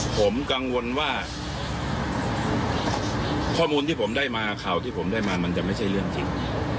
ผมกังวลว่าข้อมูลที่ผมได้มาข่าวที่ผมได้มามันจะไม่ใช่เรื่องจริง